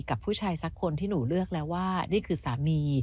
กับผู้ชายสักคนที่หนูเลือกแล้วว่านี่คือสามี